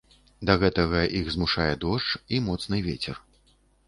Да гэтага іх змушае дождж і моцны вецер.